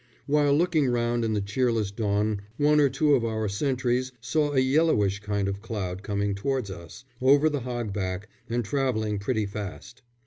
While looking round in the cheerless dawn one or two of our sentries saw a yellowish kind of cloud coming towards us, over the hogback, and travelling pretty fast.